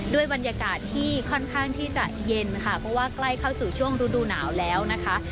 บรรยากาศที่ค่อนข้างที่จะเย็นค่ะเพราะว่าใกล้เข้าสู่ช่วงฤดูหนาวแล้วนะคะ